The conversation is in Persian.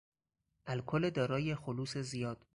الکل دارای خلوص زیاد